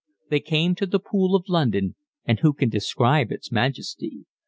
They came to the Pool of London, and who can describe its majesty?